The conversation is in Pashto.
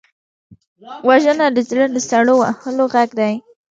وژنه د زړه د سړو وهلو غږ دی